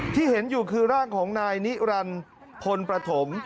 ที่เห็นอยู่คือร่างของนายนิรันดิ์พลประถม